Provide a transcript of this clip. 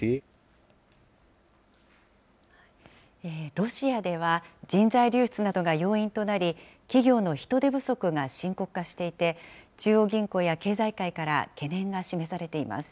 ロシアでは、人材流出などが要因となり、企業の人手不足が深刻化していて、中央銀行や経済界から懸念が示されています。